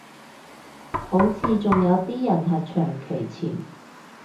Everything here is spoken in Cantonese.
好似仲有啲人係長期潛